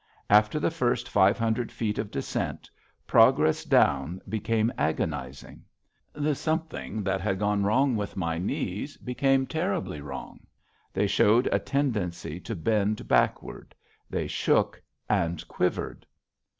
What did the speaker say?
After the first five hundred feet of descent, progress down became agonizing. The something that had gone wrong with my knees became terribly wrong; they showed a tendency to bend backward; they shook and quivered.